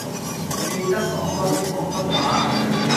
記得講多啲廣東話